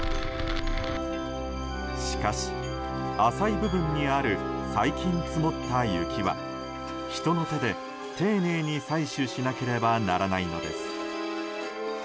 しかし、浅い部分にある最近積もった雪は人の手で丁寧に採取しなければならないのです。